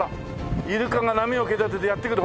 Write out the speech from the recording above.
イルカが波を蹴立ててやってくる。